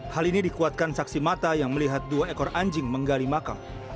hal ini dikuatkan saksi mata yang melihat dua ekor anjing menggali makam